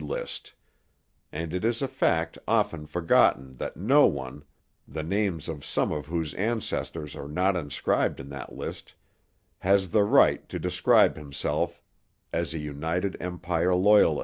List'; and it is a fact often forgotten that no one, the names of some of whose ancestors are not inscribed in that list, has the right to describe himself as a United Empire Loyalist.